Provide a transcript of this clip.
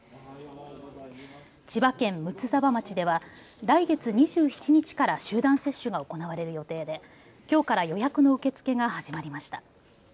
千葉県睦沢町では来月２７日から集団接種が行われる予定できょうから予約の受け付けが始まりました。